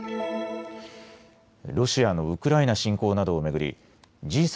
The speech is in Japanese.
ロシアのウクライナ侵攻などを巡りＧ７